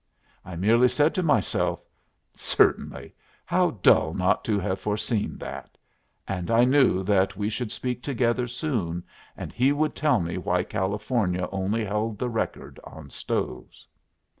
I merely said to myself: Certainly. How dull not to have foreseen that! And I knew that we should speak together soon, and he would tell me why California only held the record on stoves.